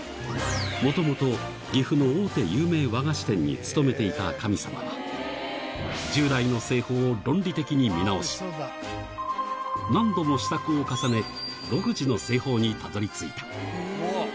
もともと岐阜の大手有名和菓子店に勤めていた神様だが、従来の製法を論理的に見直し、何度も試作を重ね、独自の製法にたどりついた。